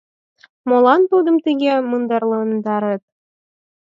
Молан тудым тыге мындырландарет?